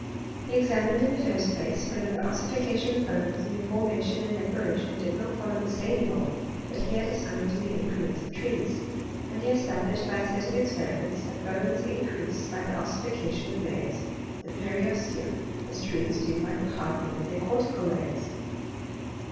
He examined, in the first place, whether the ossification of bones, and their formation and reparation, did not follow the same law that he bad assigned to the increments of trees, and he esta blished, by a set of experiments, that bones increase by the ossification of layers of the periosteum, as trees do by the hardening of their cortical layers.